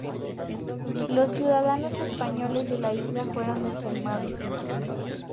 Los ciudadanos españoles de la isla fueron desarmados.